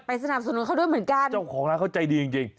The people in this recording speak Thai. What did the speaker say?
สนับสนุนเขาด้วยเหมือนกันเจ้าของร้านเขาใจดีจริงจริง